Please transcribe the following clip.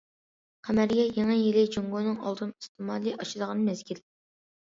قەمەرىيە يېڭى يىلى جۇڭگونىڭ ئالتۇن ئىستېمالى ئاشىدىغان مەزگىل.